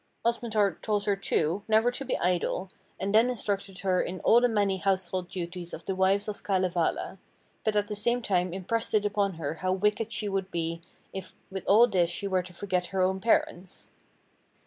Osmotar told her, too, never to be idle, and then instructed her in all the many household duties of the wives of Kalevala, but at the same time impressed it upon her how wicked she would be if with all this she were to forget her own parents.